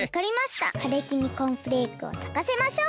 かれきにコーンフレークをさかせましょう！